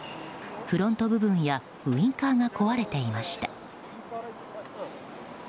フロント部分やウィンカーが壊れていました。